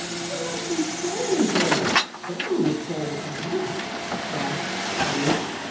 "It must be stolen gold government gold, perhaps," gasped Penny.